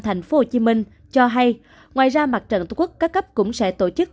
thành phố hồ chí minh cho hay ngoài ra mặt trận tổ quốc các cấp cũng sẽ tổ chức